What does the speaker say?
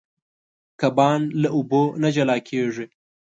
کبان له اوبو نه جلا کېږي.